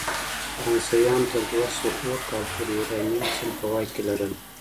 فرانسویانو تر دوه سوه اووه کال پورې راینلنډ سیمه په واک کې لرله.